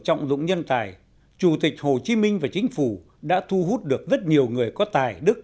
trọng dụng nhân tài chủ tịch hồ chí minh và chính phủ đã thu hút được rất nhiều người có tài đức